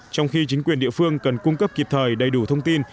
trong khi chính quyền địa phương cần cung cấp kịp thời đầy đủ thông tin